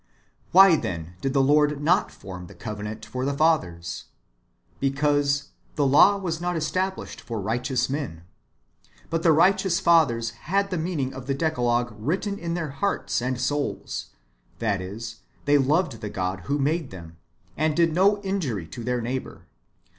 Why, then, did the Lord not form the covenant for the fathers % Because " the law was not established for rio hteous men."* But the righteous fathers had the meaning of the Decalogue written in their hearts and souls, that is, they loved the God who made them, and did no injury to their neigh bour.